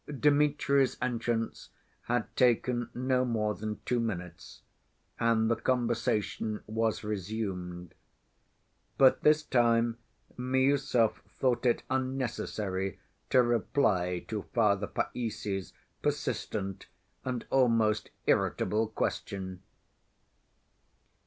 Dmitri's entrance had taken no more than two minutes, and the conversation was resumed. But this time Miüsov thought it unnecessary to reply to Father Païssy's persistent and almost irritable question.